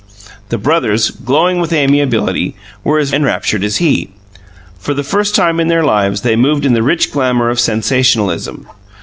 The brothers, glowing with amiability, were as enraptured as he. For the first time in their lives they moved in the rich glamour of sensationalism.